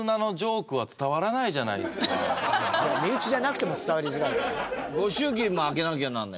身内じゃなくても伝わりづらいけどね。